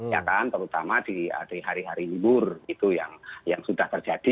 ya kan terutama di hari hari libur itu yang sudah terjadi